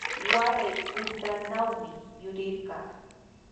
Waray puntrawnawmi yurirqaa.